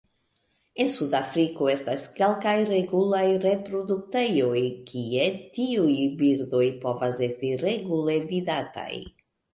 En Sudafriko estas kelkaj regulaj reproduktejoj kie tiuj birdoj povas esti regule vidataj.